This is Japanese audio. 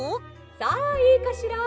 「さあいいかしら？